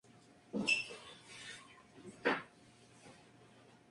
Hay que destacar de esta zona de África la producción vinícola.